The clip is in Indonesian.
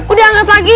udah angkat lagi